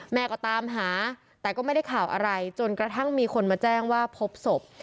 แม่ก็ตามหาแต่ก็ไม่ได้ข่าวอะไรจนกระทั่งมีคนมาแจ้งว่าพบศพ